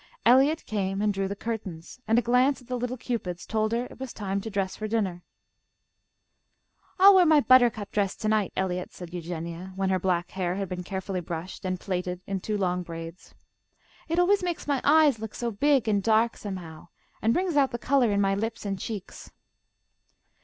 Eliot came and drew the curtains, and a glance at the little cupids told her it was time to dress for dinner. "I'll wear my buttercup dress to night, Eliot," said Eugenia, when her black hair had been carefully brushed and plaited in two long braids. "It always makes my eyes look so big and dark, somehow, and brings out the colour in my lips and cheeks."